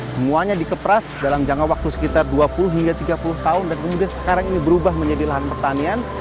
semuanya dikepras dalam jangka waktu sekitar dua puluh hingga tiga puluh tahun dan kemudian sekarang ini berubah menjadi lahan pertanian